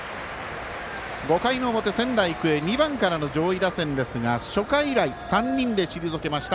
５回の表、仙台育英２番からの上位打線ですが初回以来３人で退けました。